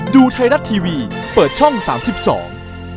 ได้ตอนขับรถมาแล้วเหมือนมีอะไรติดอยู่